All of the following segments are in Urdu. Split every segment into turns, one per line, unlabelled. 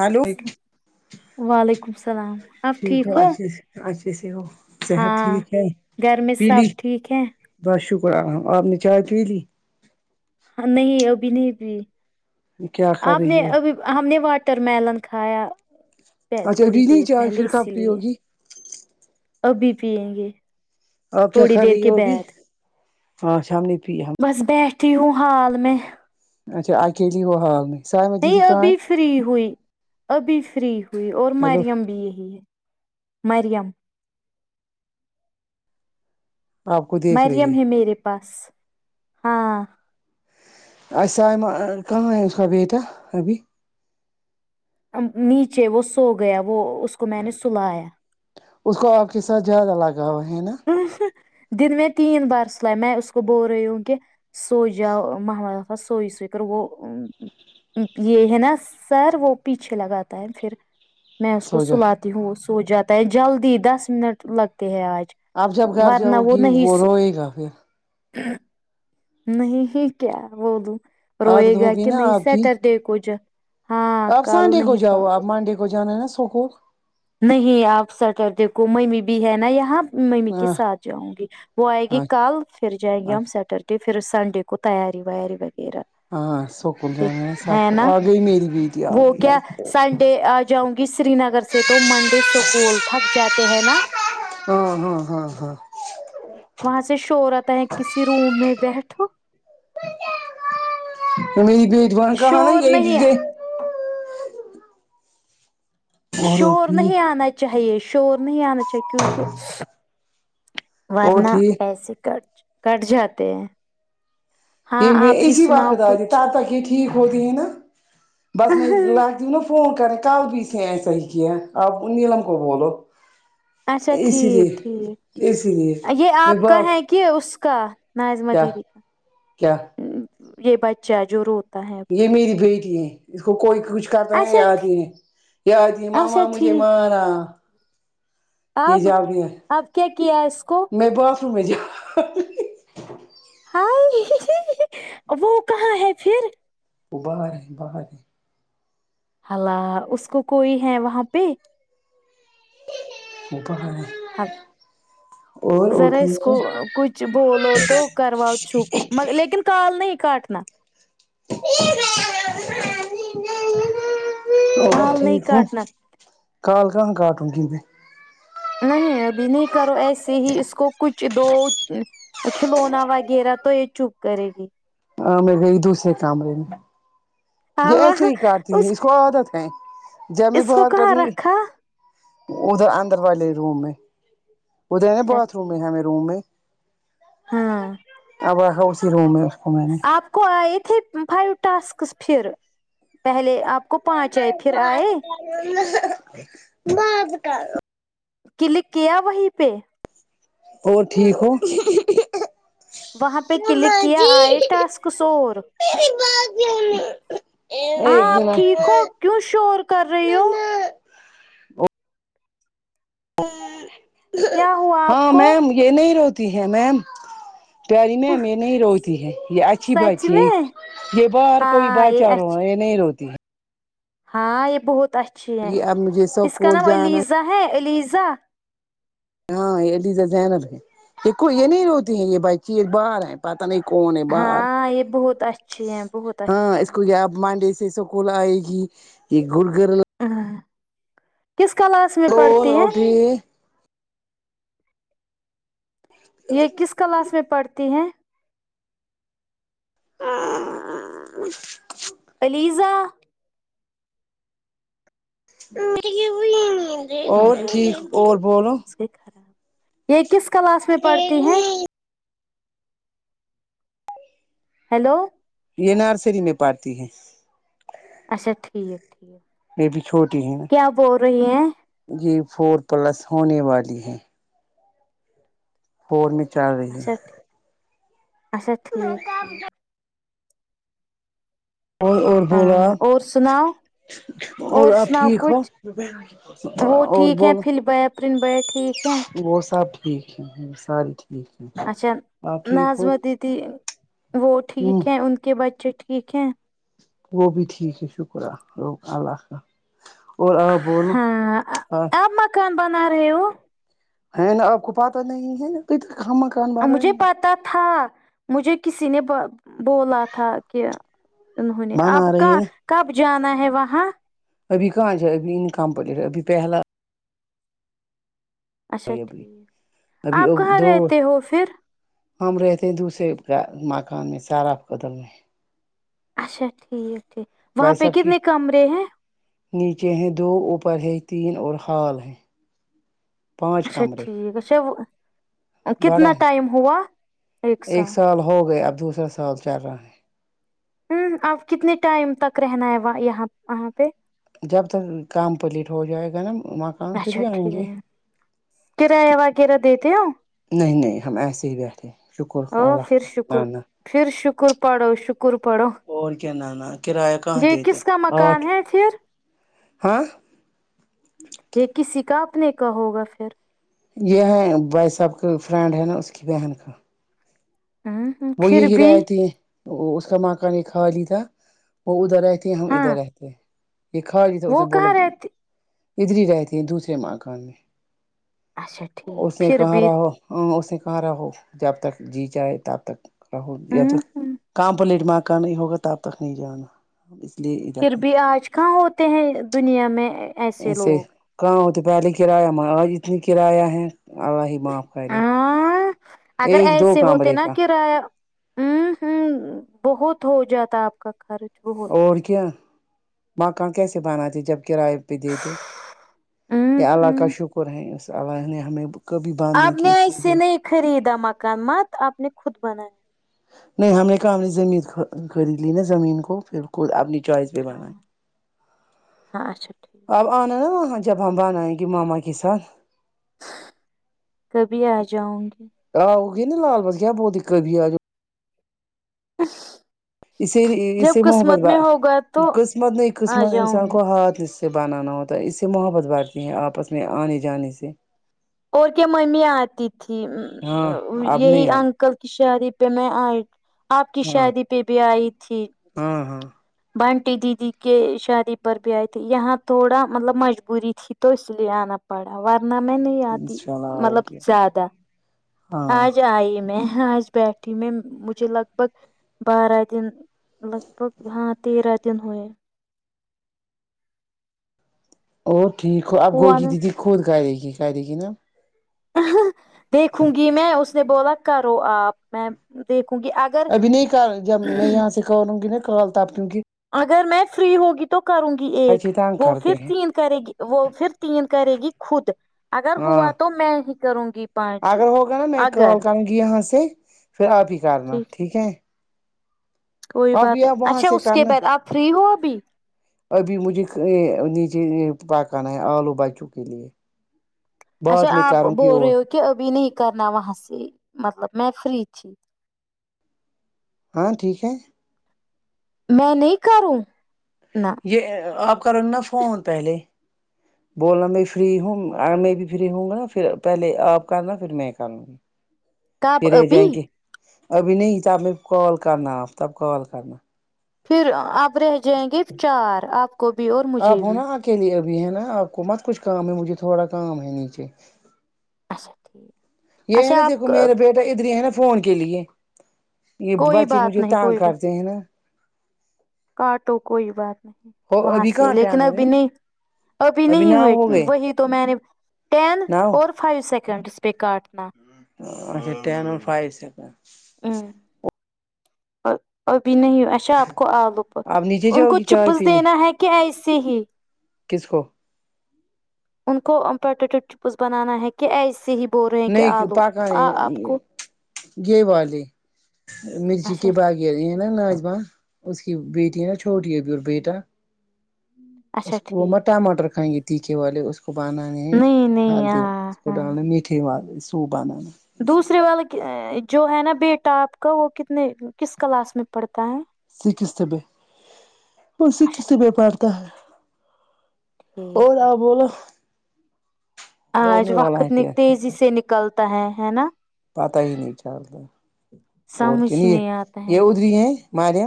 ہلو
وعلیکم السلام آپ
ٹھیک ہوے
ہو
اشے سے ہو صحت
ہاں
ٹھیک ہے
گھر میں سب
پیلی
ٹھیک ہے
بس شکر الحم آپ نے چائے پی لی
ہم نے نہیں ابھی نہیں بھی
کیا کر
آپ
رہی
نے
ہو
ابھی ہم نے واٹر میلن کھایا
اچھا
تھوڑی
ابھی نہیں
دیر
چائے
پہلے
پھر
اسی
کب پی
لیے
ہوگی
ابھی پیئیں گے تھوڑی دیر کے بعد
ہاں شام نے پی ہم
بس بیٹھی ہوں حال میں
اچھا اکیلی ہو حا
نہیں ابھی فری ہوئی ابھی فری ہوئی اور
ہیلو
مریم بھی یہی ہے مریم
آپ کو دیکھ رہی
مریم ہے میرے پاس ہاں
آئی سائمہ کہاں ہے آ اس کا بیٹا ابھی
نیچے وہ سو گیا وہ اس کو میں نے سلایا
اس کو آپ کے ساتھ زیادہ لگاو ہے نا
دن میں تین بار سل میں اس کو بول رہی ہوں کہ سو جاؤ محمد سو سوئی کر وہ یہ ہے نا سر وہ پیچھے لگاتا ہے پھر میں اس کو
سوجا
سلاتی ہوں سو جاتا ہے جلدی دس منٹ لگتے ہے آج
آپ جب گھر
ورنہ
جاؤ گی وہ روئے گا پھر
ہاں نہیں ہی کیا بولوں
عادت
روئے گا
ہوگی
کہ
نا
نہیں
آپ کی
سیٹرڈے کو جا
آپ سنڈے کو جاؤ آپ منڈے کو جانا ہے نا سکول
نہیں آپ سیٹرڈے کو ممی بھی ہے نا یہاں ممی کے
ہاں
ساتھ جاؤں گی وہ آئے گی
ہاں
کل پھر جائیں گی
ہاں
ہم سیٹر ڈ ے پھر سنڈے کو تیاری ویاری وغیرہ
ہاں سکول جان
دیکھ
سب
ہے نا
آ گئی میری بیٹی آ
وہ
گئی آ
کیا سنڈے آ جاؤں گی سری نگر سے تو منڈے سکول تھک جاتے ہیں نا
ہاں ہاں ہاں ہاں
وہاں سے شور آیا تا ہے کسی روم میں بیٹھو
میری بجبان کا ہے نا
شور
یہ
نہیں
یہ اور
شور
ٹھیک
نہیں آنا چاہیے شور نہیں آنا چاہیے کیونکہ
اور
ورنہ
ٹھیک
پیسے کٹ کٹ جاتے ہیں
یہ
ہاں
میں
آپ ہی
اسی وقت
سناؤ
د آ ت
کچھ
تک ٹھیک ہوتی ہے نا بس میں لاتی ہو نا فون کر کل بھی اسے ایسا ہی کیا اب نیلم کو بولو
اچھا
اسی
ٹھیک ٹھیک
لیے اسی لیے
یہ
میں
آپ
ب
کا ہے کہ اس کا ناظمہ
کیا
دیدی
کیا
یہ بچہ جو روتا ہے
یہ میری بیٹی ہے اس کو کوئی کچھ کرہا ہے
اچھا ٹھی-
یادیں یادیں
اچھا
ماما مجھے
ٹھیک
مارا یہ
اب
جاب نہیں ہے
آپ کیا کیا ہے اس کو
میں واش روم میں جاتی
ہاں ہی ہی ہی وہ کہاں ہے پھر
وہاں ہے وہاں ہے
اللہ اس کو کوئی ہے وہاں پہ
وہ کہاں ہے
ہل،
اور اور
ذرا اس
ٹھیک
کو
ہے
کچھ بولو تو کرواؤ چوپ مگ لیکن کال نہیں کاٹنا
تو آپ
کال نہیں
ٹھیک ہو
کاٹنا
کال کہاں کاٹوں گی میں
نہیں ابھی نہیں کرو ایسے ہی اس کو کچھ دو کھلونا وغیرہ تو یہ چپ کرے گی
ہاں میں گئی دوسرے کاموں میں یہ
اللہ
ایسے ہی کرتی ہے اس کو عادت ہے جب بھی
اس کو
بہت
کہاں
ڈری
رکھا
ادھر اندر والے روم میں ادھر ہے
اچھا
باتھ روم
ٹھیک
ہے روم میں
ہاں
ہوا ہے اسی روم میں اسکو میں نے
آپ کو آئے تھے فائیو ٹاسکس پھر پہلے آپ کو پانچ آئے پھر آئے
بات کرو نا بات کرو
کلک کیا وہیں پہ
اور ٹھیک ہو
وہاں پہ کلک
مما
کیا
جی
آئے ٹاسکس اور
میری بات سنو
ہاں آپ ٹھیک ہو کیوں شور کر رہی ہو
نانا
کیا ہوا آپ
ہاں
کو
میم یہ نہیں روتی ہے میم پیاری میم یہ نہیں روتی ہے یہ اچھی
سچ
بچی
میں
یہ باہر کوئی
ہاں یہ
بچہ رو
اچ
را یہ نہیں روتی ہے
ہاں یہ بہت اچھی ہے
یہ اب مجھے
اس کا
سکول
نام
جانا
علیزہ ہے علیزہ
ہاں علیزا زینب ہے یہ کو یہ نہیں روتی ہے یہ بچے باہر ہیں پتا نہیں کون ہے باہر
ہاں یہ بہت اچھی ہے بہت
ہاں
اچھی
اس کو
ہے
کیا مانڈی سے سب کو لآئیگی یہ گڈ گرل
آہ کس کلاس میں پڑھتی ہیں
یہ
یہ کس کلاس میں پڑھتی ہے
اں
علیزہ میں
اور
بھی
ٹھیک
ہو
اور
گئی تھی
بولو
اس یہ کس کلاس میں پڑھتی ہے ہیلو
یہ نرسری میں پڑھتی ہے
اچھا ٹھیک ٹھیک
یہ بھی
کیا بول رہی ہیں
جی فور پلس ہونے والی ہے فور میں چل رہی ہے
اچھا اچھا ٹھیک ٹھیک
اور اور بولا
ہاں اور سناؤ
آپ اور آپ
سناؤ
ٹھیک ہو
کچھ وہ
اور
ٹھیک ہے
بولو
پھر بیا پرن بیا ٹھیک ہے
وہ سب ٹھیک ہے ساری ٹھیک ہیں
اچھا
آپ ٹھیک ہو
ناظمہ دیدی وہ
ہوں
ٹھیک ہیں ان کے بچے ٹھیک ہیں
وہ بھی ٹھیک ہے شکر ہے اللہ کا اور آپ بولو
ہاں آپ مکان بنا رہے ہو
ہے نا آپ کو پاتا نہیں ہے کہ ما ک
مجھے پتا تھا مجھے کسی نے بولا تھا کہ انہوں نے اب
بنا رہی
کا
ہے نا
کب جانا ہے وہاں
ابھی کہاں جائے ابھی ان کام پڑے رہا ہے ابھی پہلا
اچھا
ابھی
ٹھیک
ابھی
آپ کہاں
دو
رہتے ہو پھر
ہم رہتے دوسرے گھر مکان میں ساراف کدل میں
اچھا ٹھیک ٹھیک وہاں
بھائی
پہ
صاحب کی
کتنے کمرے ہیں
نیچے ہیں دو اوپر ہے تین اور ہال ہے پانچ
اچھا
کمرے
ٹھیک اچھا وہ
بڑا
کتنا
ہے
ٹائم ہوا
ایک سال ہو گیا اب دوسرا سال چل رہا ہے
ہوں آپ کتنے ٹائم تک رہنا ہے یہاں وہاں پہ
جب تک کامپلیٹ ہو جائے گا نا وہاں
اچھا ٹھیک کرایہ وغیرہ دیتے ہو
نہیں نہیں ہم ایسے ہی رہتے ہیں شکر
او
اللہ
پھر شکر
لانہ
پھر شکر پڑھو شکر پڑھو
اور کیا نا نا کرایہ کہاں
یہ
دیتے
کس کا
آٹھ
مکان ہے پھر
ہاں
یہ کسی کا آپنے کاہوگا پھر
یہ ہے بھائی صاحب کا فرینڈ ہے نا اس کی بہن کا
ہمم
وہ یہی رہ تھے اس کا ماں کا نے کھا لی تھا وہ ادھر رہ ہم ادھر
ہاں
رہتے یہ خالی تھا اس
وہ
نے بولا
کہاں رہتی
ادھر رہتی ہیں دوسرے ماکان میں
اچھا ٹھیک
اس نے
پھر
کہا
بھی
رہو ہاں اس نے کہا رہا ہو جب تک جی جائے تب تک رہو
ہ
یہ تک کام پلیٹم کا نہیں ہوگا تو اب تک نہیں جانا اس لیے ادھر
پھر
ہے
بھی آج کہاں ہوتے ہیں دنیا میں
ایسے کہاں ہوتے پہلے کرایہ اتنی کرایہ ہے اللہ ہی معاف کرے
ہ اگر
ایک دو
ایسے ہوتے
کمرے
نا
کا
کرایہ ہوں ہوں بہت ہو جاتا آپ کا خرچ بہت
اور کیا مکان کیسے بناتے جب کراے پہ دیتے
ہ
اللہ کا
ہ
شکر ہے اس اللہ نے ہمیں کبھی باند
آپ
نہیں کی
نے
اسیے
ایسے
کیا
نہیں خریدا مکان مت آپ نے خود بنایا
نہیں ہم نے کہا ہم نے زمین خرید لی نا زمین کو پھر کو اپنی چوائس سے بناے ہے
ہاں ہاں اچھا ٹھیک
آ اہ نا آئے جب ہم بنائے گے ماما کے ساتھ
کبھی آ جاؤں گی
آؤ کہ نی لال بچ کیا بہت دقت بھی آج [unintelligible]
اس
اس اسے محبت با
ہوگا تو
قسمت نہ
آ
قسمت انسان
جاؤں گی
کو ہاتھ ن سے بنانا ہوتا ہے اس سے محبت بڑھتی ہے آپس میں آنے جانے سے
اور کیا ممی آتی تھی
ہاں اب
یہی
نہیں آتی
انکل کی شاد پہ میں آئی آپ کی
ہاں
شادی پہ بھی آئی تھی
ہاں ہاں
بنٹی دیدی کے شادی پر ب آئے تھے یہاں تھوڑا مطلب مجبوری تھی تو اس لیے آنا پڑا ورنہ میں نہیں آتی
انشاء اللہ
مطلب
ہوگیا
زیادہ
ہاں
آج آئی میں آج بیٹھی میں مجھے لگ بھگ بارہ دن لگ بھگ ہاں تیرہ دن ہوئے
ا ٹھیک ہو آب
ہوا
گوگی
نا
دیدی خود کا رہے گی رہے گی نا
دیکھوں گی میں اس نے بولا کرو آپ میں دیکھوں گی ا
ابھی نہیں کہا جب میں یہاں سے کہوں گی نا کال تب کیوںک
اگر میں فری ہوگی تو کروں گی ایک
بچے تنگ
وہ
کرتے
پھر
ہیں
تین کرے گی وہ پھر تین کرے گی خود اگر ہوا
ہاں
تو میں کروں گی پانچ
اگر ہوگا نا میں کال
اگر
کروں گی یہاں سے پھر آپ ہی کرنا ٹھیک ہے
کوئی
آپ
بات
یہ
نہیں
وہاں
اچھا
سے
اس کے
کرنا
بعد آپ فری ہو ابھی
ابھی مجھے نیچے پکانا ہے آلو بچوں کے لیے
اچھا
بعد میں
آپ
کروں گی
بول رہے
اور
ہو کہ ابھی نہیں کرنا وہاں سے مطلب میں فری تھی
ہاں ٹھیک ہے
میں نہیں کروں نہ
یہ آپ کرو نا فون پہلے بولنا میں فری ہوں میں بھی فری ہوں گا نا پھر پہلے آپ کرنا پھر میں کر لوں
کب
پھر رہ
ابھی
جائیں گے ابھی نہیں شام مے کال کرنا آ تب کال کرنا
پھر آپ رہ جائیں گے چار آپ کو بھی اور مجھے بھی
کے لیے ابھی ہے نا آپ کو مت کچھ کام ہے مجھے تھوڑا کام ہے نیچے
اچھا ٹھیک
یہ ہے نا
اچھا
دیکھو
آپ
میرا بیٹا ادھر ہی ہے نا فون کے لیے یہ
کوئی
بچے
بات
مجھے
نہیں
تانگ
کوئی بات
کرتے ہیں نا
کاٹو کوئی بات نہیں
ہو
وہاں
ابھی
سے
کہاں
لیکن
ٹین ہوئے
ابھی نہیں ابھی نہیں
ناؤ
ہوئے
ہو گئے
وہی تو میں نے ٹین
ناؤ
اور فائی سیکنڈس پہ کاٹنا
اچھا ٹین اور فائیو سیکنڈ
ہوں ابھی نہیں اچھا آپ کو آلو پر
آپ نیچے
ان
جاؤ
کو
گی چائے
چپس
پینے
دینا ہے کہ ایسے ہی
کس کو
ان کو پوٹیٹو چپس بنانا ہے کہ ایسے ہی بول رہے ہیں کہ
نہیں
آلو
پکانے
آپ کو
یہ والے مرچی
اچھا
کے با یہ ہے نا ناجماں اس کی بیٹی ہے نا چھوٹی ہےبھی اور بیٹا اس
اچھا
کو وہ
ٹھیک
ٹماٹر کھائیں گے تھکے والے اس کو بنا
نہیں نہیں
ہلدی
ہاں
اس کو
ہاں
ڈالنا میٹے سوپ آنا
دوسرے والے کے ا جو ہے نا بیٹا آپ کا وہ کتنے کس کلاس میں پڑھتا ہے
سکستھ میں وہ
اچھا
سکستھ میں
ٹھیک
پڑتا ہے
ٹھیک
اور آپ بولو
آج
ہونے والا ہے
وقت نا
ٹیسٹ
تیزی سے نکلتا ہے ہے نا
پتہ ہی نہیں چلتا اور
سمجھ
کہ
ہی
لیے
نہیں آتا ہے
یہ ادھری ہی ہیں ماریا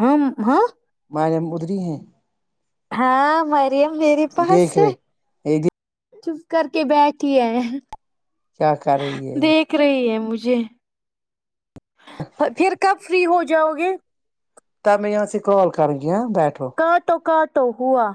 ہاں ہاں
ماریم ادھر ہی ہے
ہاں مریم میرے پاس
دیکھ
ہے
رہے یہ
چپ کر کے بیٹھی ہے
کیا کر رہی ہے
دیکھ رہی ہے مجھے پھر کب فری ہو جاؤ گے
تب میں یہاں سے کال کرونگی ہاں بیٹھو
کاٹو کاٹو ہوا